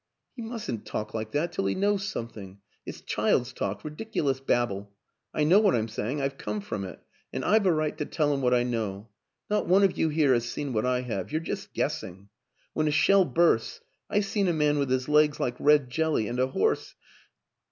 " He mustn't talk like that till he knows some thing. It's child's talk ridiculous babble. I know what I'm saying I've come from it and I've a right to tell him what I know. Not one of you here has seen what I have you're just guessing. When a shell bursts. ... I've seen a man with his legs like red jelly and a horse